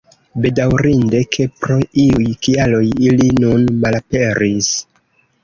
Bedaŭrinde, ke pro iuj kialoj ili nun malaperis.